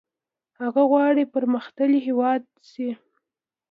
هند غواړي پرمختللی هیواد شي.